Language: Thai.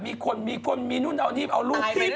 มีคนมีคนมีนู่นเอานี่เอารูปขึ้น